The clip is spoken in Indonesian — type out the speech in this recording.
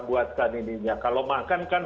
buatkan ininya kalau makan kan